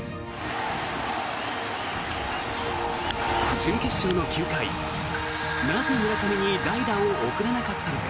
準決勝の９回、なぜ村上に代打を送らなかったのか。